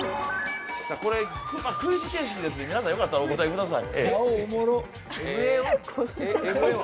これ、クイズ形式なので皆さんよかったらお答えください。